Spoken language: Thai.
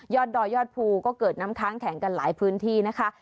ดอยยอดภูก็เกิดน้ำค้างแข็งกันหลายพื้นที่นะคะ